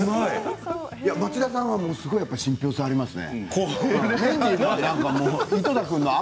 町田さんが言うすごい信ぴょう性がありますね。